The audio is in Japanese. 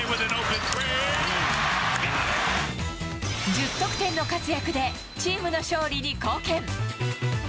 １０得点の活躍でチームの勝利に貢献。